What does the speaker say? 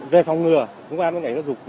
về phòng ngừa chúng tôi đã với ngành giáo dục